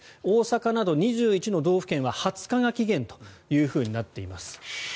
大阪など２１の道府県は２０日が期限となっています。